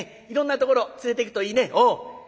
いろんなところ連れていくといいね」。